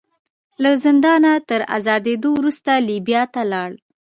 له زندانه تر ازادېدو وروسته لیبیا ته لاړ.